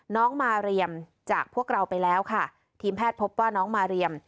น้องมาเรียมจากพวกเราไปแล้วค่ะทีมแพทย์พบว่าน้องมาเรียม